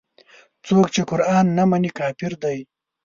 څوک چې قران نه مني کافر دی.